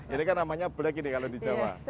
ini kan namanya black ini kalau di jawa